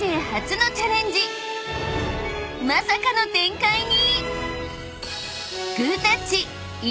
［まさかの展開に！］